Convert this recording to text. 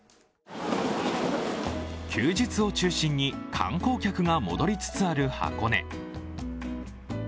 休日を中心に観光客が戻りつつある箱根。